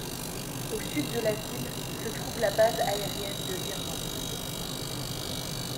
Au sud de la ville se trouve la Base aérienne de Learmonth.